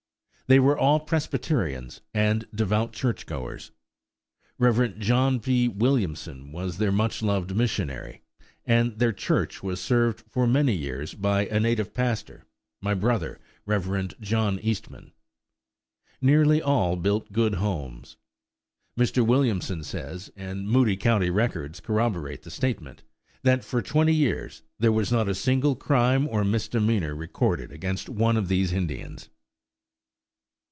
They were all Presbyterians and devout church goers. Rev. John P. Williamson was their much loved missionary; and their church was served for many years by a native pastor my brother, Rev. John Eastman. Nearly all built good homes. Mr. Williamson says, and Moody County records corroborate the statement, that for twenty years there was not a single crime or misdemeanor recorded against one of these Indians.